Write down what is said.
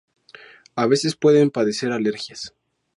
A veces pueden padecer alergias.